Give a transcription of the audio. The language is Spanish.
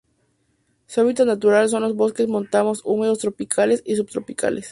Su hábitat natural son los bosques montanos húmedos tropicales y subtropicales.